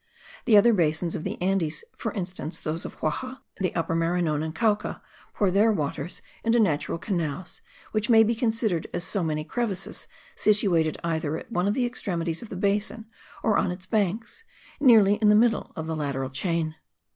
The other basins of the Andes, for instance, those of Jauja, the Upper Maranon and Cauca, pour their waters into natural canals, which may be considered as so many crevices situated either at one of the extremities of the basin, or on its banks, nearly in the middle of the lateral chain.